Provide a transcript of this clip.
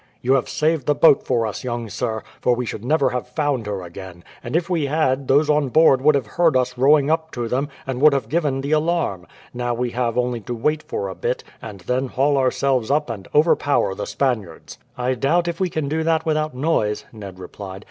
"You have saved the boat for us, young sir, for we should never have found her again; and if we had, those on board would have heard us rowing up to them, and would have given the alarm. Now we have only to wait for a bit, and then haul ourselves up and overpower the Spaniards." "I doubt if we could do that without noise," Ned replied.